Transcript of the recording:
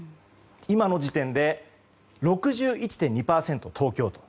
今の時点で６１．２％、東京都。